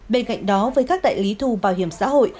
bên cạnh đó với các đại lý thu bảo hiểm xã hội